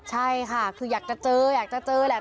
ใช่ค่ะคืออยากจะเจออยากจะเจอแหละ